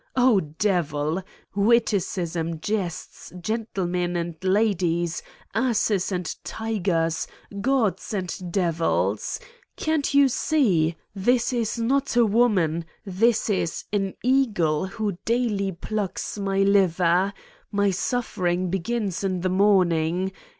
Oh devil! Witticism, jests, gentlemen and ladies, asses and tigers, gods and devils ! Can't you see : this is not a woman, this is an eagle who daily plucks my liver ! My suffering begins in the morn ing.